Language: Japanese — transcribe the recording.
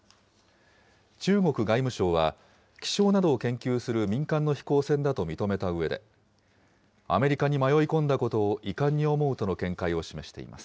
中国外務省は、気象などを研究する民間の飛行船だと認めたうえで、アメリカに迷い込んだことを遺憾に思うとの見解を示しています。